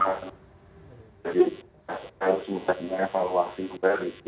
jadi saya sudah mengevaluasi itu